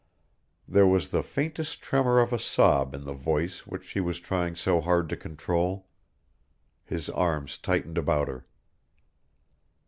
There was the faintest tremor of a sob in the voice which she was trying so hard to control. His arms tightened about her.